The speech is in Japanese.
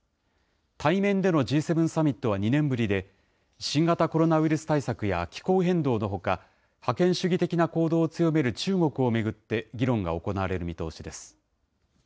対面でのＧ７サミットは２年ぶりで、新型コロナウイルス対策や気候変動のほか、覇権主義的な行動を強める中国を巡って、議論が行われる見通しです。